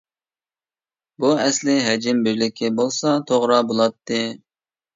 بۇ ئەسلى ھەجىم بىرلىكى بولسا توغرا بولاتتى.